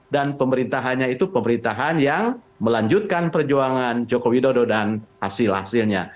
dan pemerintahannya itu pemerintahan yang melanjutkan perjuangan jokowi dodo dan hasil hasilnya